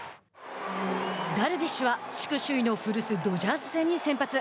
ダルビッシュは、地区首位の古巣ドジャース戦に先発。